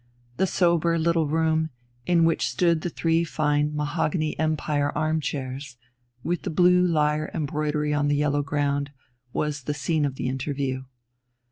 The sober little room, in which stood the three fine mahogany Empire arm chairs, with the blue lyre embroidery on the yellow ground, was the scene of the interview.